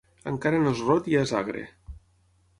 Encara no és rot i ja és agre.